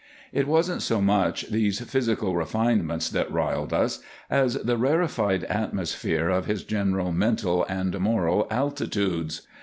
It wasn't so much these physical refinements that riled us as the rarefied atmosphere of his general mental and moral altitudes.